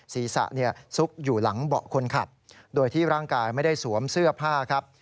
ศีรษะซุกอยู่หลังเบาะคนขับโดยที่ร่างกายไม่ได้สวมเสื้อผ้าครับ